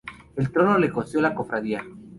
El Trono lo costeó la Cofradía.